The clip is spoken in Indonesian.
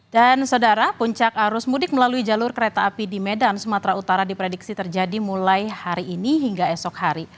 dan saudara puncak arus mudik melalui jalur kereta api di medan sumatera utara diprediksi terjadi mulai hari ini hingga esok hari